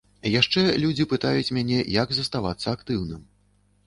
Яшчэ людзі пытаюць мяне, як заставацца актыўным.